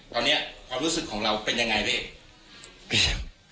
ตอนนี้ความรู้สึกของเราเป็นยังไงพี่เอก